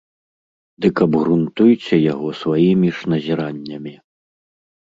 Дык абгрунтуйце яго сваімі ж назіраннямі.